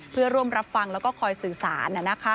เพื่อร่วมรับฟังแล้วก็คอยสื่อสาร